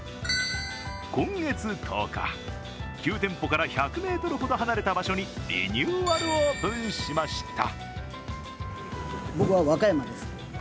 今月１０日、旧店舗から１００ｍほど離れた場所にリニューアルオープンしました。